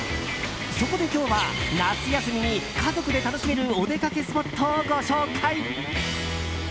そこで今日は夏休みに家族で楽しめるお出かけスポットをご紹介。